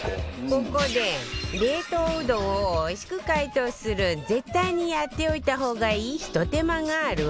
ここで冷凍うどんをおいしく解凍する絶対にやっておいた方がいいひと手間があるわよ